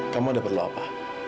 kamu ada perlu apa